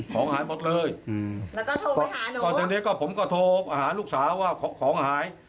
ก่อนที่นี้ผมก็โทรไปหาลูกสาวว่าของหาย